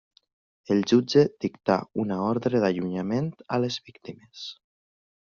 El jutge dictà una ordre d'allunyament a les víctimes.